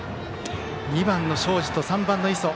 ２番の東海林と３番の磯。